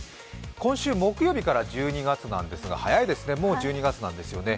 今週木曜日から１２月なんですが、早いですね、もう１２月なんですよね。